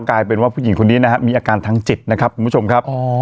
กลายเป็นว่าผู้หญิงคนนี้นะฮะมีอาการทางจิตนะครับคุณผู้ชมครับ